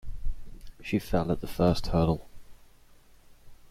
She fell at the first hurdle.